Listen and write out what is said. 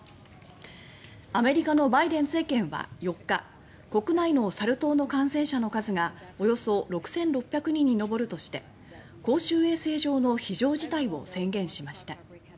アメリカのバイデン政権は４日国内のサル痘の感染者の数がおよそ６６００人に上るとして「公衆衛生上の非常事態」を宣言しました。